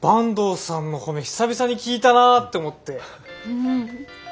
うん。